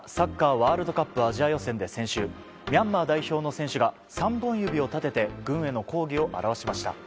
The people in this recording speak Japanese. ワールドカップアジア予選で先週ミャンマー代表の選手が３本指を立てて軍への抗議を表しました。